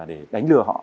để đánh lừa họ